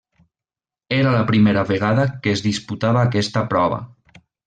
Era la primera vegada que es disputava aquesta prova.